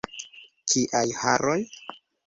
Kiaj haroj!